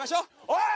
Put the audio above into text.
おい！